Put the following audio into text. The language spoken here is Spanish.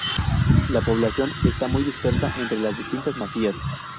La población está muy dispersa entre las distintas masías.